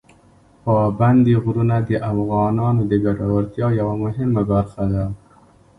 پابندي غرونه د افغانانو د ګټورتیا یوه مهمه برخه ده.